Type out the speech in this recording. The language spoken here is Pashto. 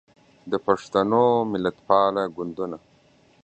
د پښتنو ملتپاله ګوندونه